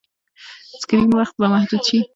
سکرین وخت به محدود شي.